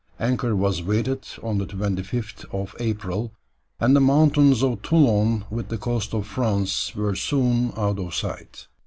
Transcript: Anchor was weighed on the 25th April, and the mountains of Toulon with the coast of France were soon out of sight.